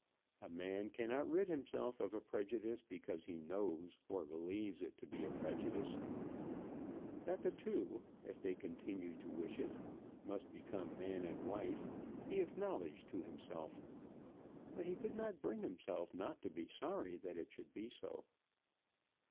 A man cannot rid himself of a prejudice because he knows or believes it to be a prejudice. That the two, if they continued to wish it, must become man and wife he acknowledged to himself; but he could not bring himself not to be sorry that it should be so.